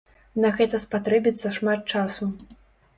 На гэта спатрэбіцца шмат часу.